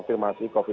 ya ini masih kecil